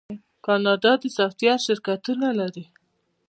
کاناډا د سافټویر شرکتونه لري.